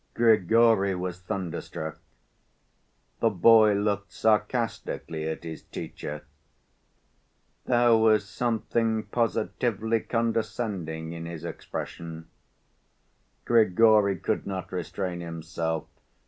Grigory was thunderstruck. The boy looked sarcastically at his teacher. There was something positively condescending in his expression. Grigory could not restrain himself.